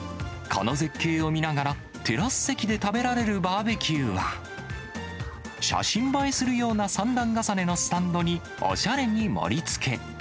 この絶景を見ながらテラス席で食べられるバーベキューは、写真映えするような３段重ねのスタンドにおしゃれに盛りつけ。